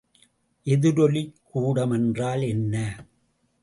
எதிரொலிக் கூடம் என்றால் என்ன?